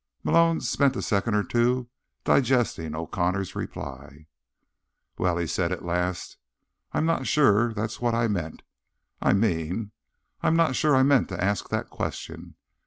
Malone spent a second or two digesting O'Connor's reply. "Well," he said at last, "I'm not sure that's what I meant. I mean, I'm not sure I meant to ask that question."